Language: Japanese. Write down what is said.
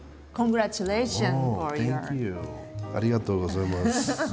ありがとうございます。